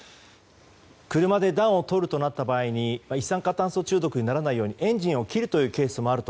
車で暖を取るとなった場合一酸化炭素中毒にならないようエンジンを切るケースがあると。